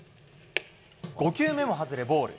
５球目も外れ、ボール。